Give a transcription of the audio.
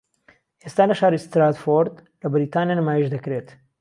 ئێستا لە شاری ستراتفۆرد لە بەریتانیا نمایشدەکرێت